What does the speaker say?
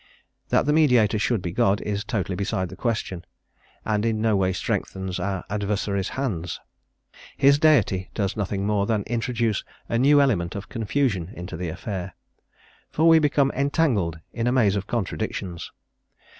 That the mediator should be God is totally beside the question, and in no way strengthens our adversaries' hands. His Deity does nothing more than introduce a new element of confusion into the affair; for we become entangled in a maze of contradictions.